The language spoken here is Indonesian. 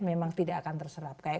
memang tidak akan terserap kayak